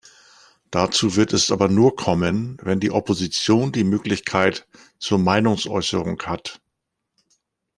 Dazu wird es aber nur kommen, wenn die Opposition die Möglichkeit zur Meinungsäußerung hat.